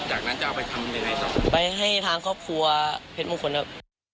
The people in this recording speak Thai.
จากนั้นจะเอาไปทำยังไงครับไปให้ทางครอบครัวเพชรมงคลครับ